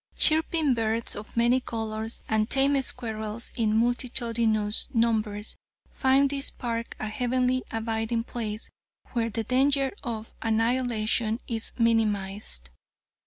Chirping birds of many colors and tame squirrels in multitudinous numbers find this park a heavenly abiding place where the danger of annihilation is minimized.